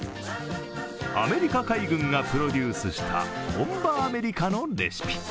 アメリカ海軍がプロデュースした本場アメリカのレシピ。